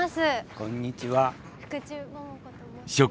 こんにちは。